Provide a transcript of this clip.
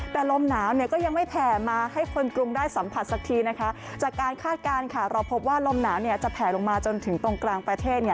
แต่ลมหนาวก็ยังอย่างไม่แผนมาให้คนกรุงได้สัมผัสทีนะครับนี่จะการคาดการณ์ขาดรอบหัวลมหนาวเนี่ยจะแผลลงมาจนถึงตรงกลางประเทศเนี่ย